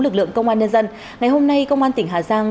lực lượng công an nhân dân ngày hôm nay công an tỉnh hà giang